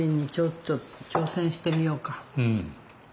うん。